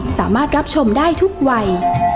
สามารถรับชมได้ทุกวัย